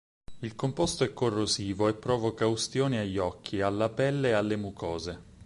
Il composto è corrosivo, e provoca ustioni agli occhi, alla pelle e alle mucose.